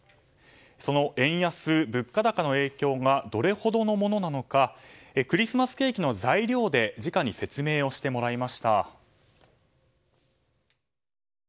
その円安・物価高の影響がどれほどのものなのかクリスマスケーキの材料で直に説明をしてもらいました。